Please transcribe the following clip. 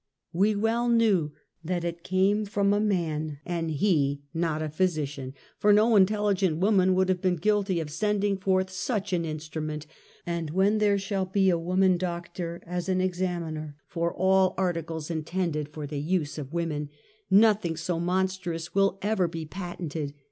We well knew that it came from a man^ and he not a physician, for no intelligent woman would have been guilty of sending forth such an instrument, and when there shall be a woman doctor as an examiner for all articles intended for the use of women, noth ing so monstrous will ever be patented.